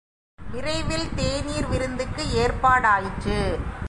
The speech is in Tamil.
விரைவில் தேநீர் விருந்துக்கு ஏற்பாடாயிற்று.